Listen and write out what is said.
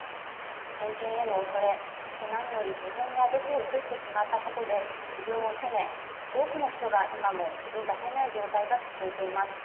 偏見へのおそれ、そして何より毒をうつしてしまつたことで自分を責め、多くの人が今も口に出せない状態が続いています。